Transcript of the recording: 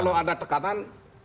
karena ada tekanan